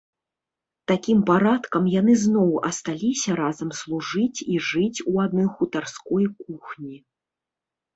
Такім парадкам яны зноў асталіся разам служыць і жыць у адной хутарской кухні.